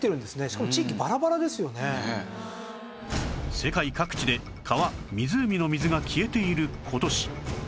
世界各地で川湖の水が消えている今年